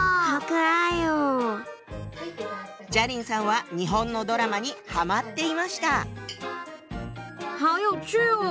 佳伶さんは日本のドラマにハマっていました。